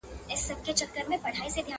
قبرکن به دي په ګورکړي د لمر وړانګي به ځلیږي!!